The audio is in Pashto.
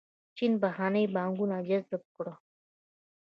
چین بهرنۍ پانګونه جذب کړه.